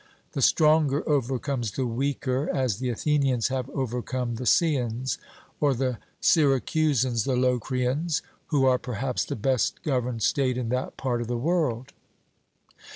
The stronger overcomes the weaker, as the Athenians have overcome the Ceans, or the Syracusans the Locrians, who are, perhaps, the best governed state in that part of the world.